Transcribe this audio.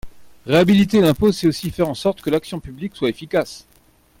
Réhabiliter l’impôt, c’est aussi faire en sorte que l’action publique soit efficace.